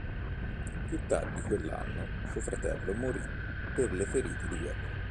Più tardi quell'anno, suo fratello morì per le ferite di guerra.